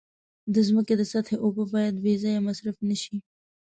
د ځمکې د سطحې اوبه باید بې ځایه مصرف نشي.